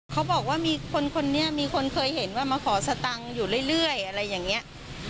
เขาบอกว่ามีคนคนนี้มีคนเคยเห็นว่ามาขอสตังค์อยู่เรื่อยอะไรอย่างนี้